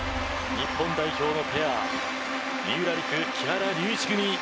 日本代表のペア三浦璃来・木原龍一組。